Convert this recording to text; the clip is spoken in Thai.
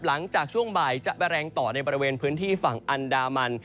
หลังจากช่วงบ่ายจะไปแรงต่อในบริเวณพื้นที่ฝั่งอันดามัน